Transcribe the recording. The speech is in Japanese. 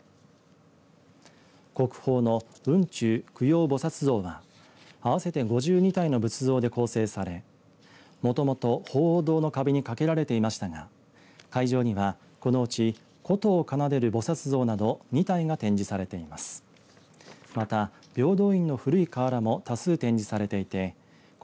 国宝の雲中供養菩薩像は合わせて５２体の仏像で構成されもともと鳳凰堂の壁に掛けられていましたが会場には、このうち琴を奏でる菩薩像などを２体が展示されています。